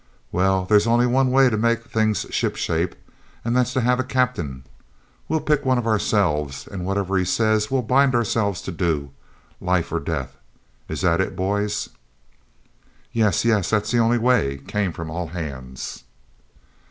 'Well, there's only one way to make things shipshape, and that's to have a captain. We'll pick one of ourselves, and whatever he says we'll bind ourselves to do life or death. Is that it, boys?' 'Yes, yes, that's the only way,' came from all hands.